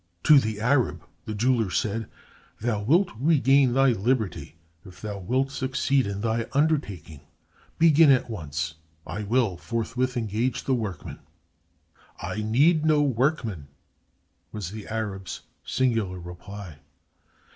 To the Arab the jeweler said, "Thou wilt regain thy liberty if thou wilt succeed in thy undertaking. Begin at once. I will forthwith engage the workmen." "I need no workmen," was the Arab's singular reply.